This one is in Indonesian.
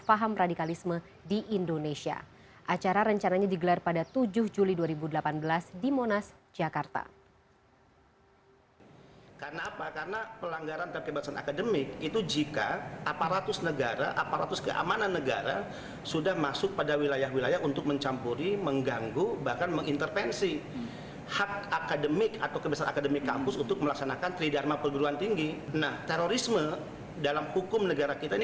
pembelajaran tersebut juga membahas keadaan pemerintah yang terlalu berpengalaman untuk memperbaiki keadaan tersebut